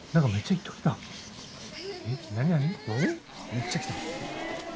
めっちゃ来た。